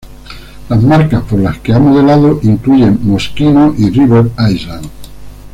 Las marcas por las que ha modelado incluyen Moschino y River Island.